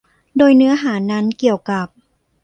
โดยเนื้อหานั้นเกี่ยวกับ